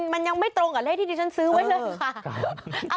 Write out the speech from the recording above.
มันยังไม่ตรงกับเลขที่ดิฉันซื้อไว้เลยค่ะ